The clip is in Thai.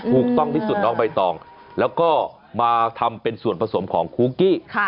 ถูกต้องที่สุดน้องใบตองแล้วก็มาทำเป็นส่วนผสมของคุกกี้